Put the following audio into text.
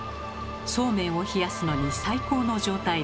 そうめんを冷やすのに最高の状態です。